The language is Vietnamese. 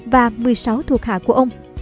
và một mươi sáu thuộc hạ của ông